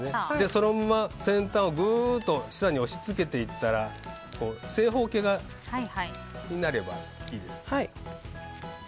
そのまま先端をぐっと下に押し付けたら正方形になればいいです。